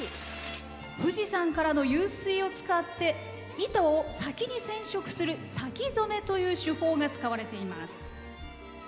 富士山からの湧水を使って糸を先に染色する先染めという手法が使われています。